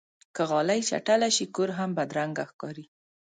که غالۍ چټله شي، کور هم بدرنګه ښکاري.